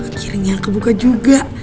akhirnya kebuka juga